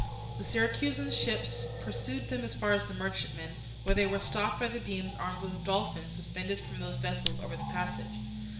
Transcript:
The Syracusan ships pursued them as far as the merchantmen, where they were stopped by the beams armed with dolphins suspended from those vessels over the passage.